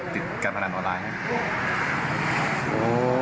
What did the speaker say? ติดการพนันออนไลน์ครับ